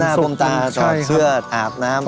ผมหน้าผมตาตอบเสื้ออาบน้ำ